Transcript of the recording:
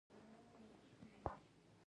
د ټکري رنګ يې هم خپلو کاليو ته ورته و.